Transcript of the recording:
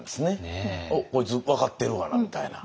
「おっこいつ分かってるがな」みたいな。